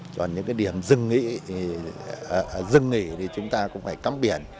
còn những điểm dừng nghỉ thì chúng ta cũng phải cắm biển